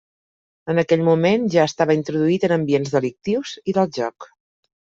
En aquell moment ja estava introduït en ambients delictius i del joc.